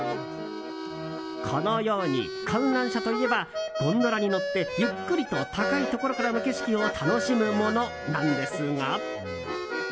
このように、観覧車といえばゴンドラに乗ってゆっくりと高いところからの景色を楽しむものなんですが。